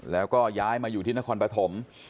แล้วก็ย้ายมาอยู่ที่นครปฐม